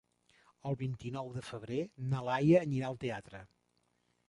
El vint-i-nou de febrer na Laia anirà al teatre.